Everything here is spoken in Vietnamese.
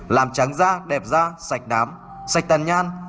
làm tráng da đẹp da sạch đám sạch tàn nhan